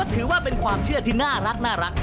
ถูกครับ